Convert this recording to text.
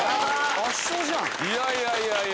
いやいやいやいや。